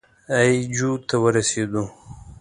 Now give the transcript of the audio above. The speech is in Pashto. اي جو ته ورسېدو.